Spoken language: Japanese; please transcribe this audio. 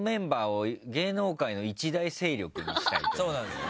そうなんですよ